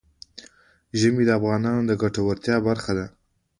ژمی د افغانانو د ګټورتیا برخه ده.